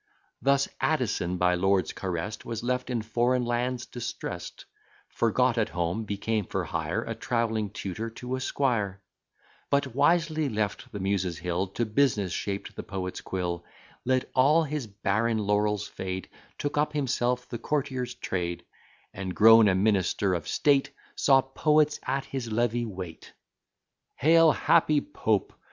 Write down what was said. Thus Addison, by lords carest, Was left in foreign lands distrest; Forgot at home, became for hire A travelling tutor to a squire: But wisely left the Muses' hill, To business shaped the poet's quill, Let all his barren laurels fade, Took up himself the courtier's trade, And, grown a minister of state, Saw poets at his levee wait. Hail, happy Pope!